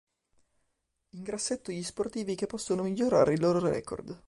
In grassetto gli sportivi che possono migliorare il loro record.